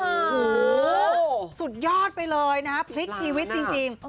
หูววสุดยอดไปเลยนะคะปริกชีวิตจริง